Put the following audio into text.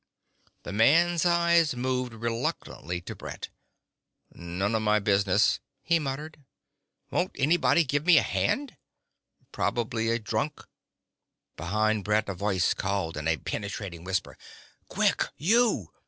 The man's eyes moved reluctantly to Brett. "None of my business," he muttered. "Won't anybody give me a hand?" "Probably a drunk." Behind Brett a voice called in a penetrating whisper: "Quick! You!